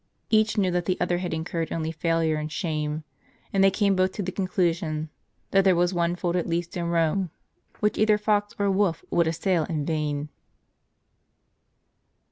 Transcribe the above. Each knew that the other had incurred only failure and shame; and they came both to the conclusion, that there was one fold at least in Rome, which either fox or wolf would assail in vain.